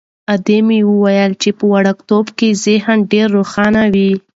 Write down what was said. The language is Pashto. ادې مې ویل چې په وړکتوب کې ذهن ډېر روښانه وي.